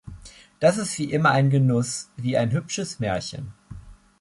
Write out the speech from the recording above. Das ist wie immer ein Genuß wie ein hübsches Märchen.